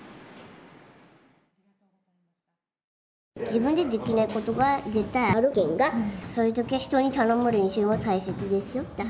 自分でできないことが絶対あるけんがそういう時は人に頼む練習も大切ですよって